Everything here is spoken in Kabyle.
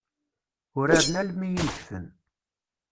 Uraren almi i negfen.